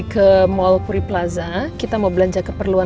terima kasih banyak bu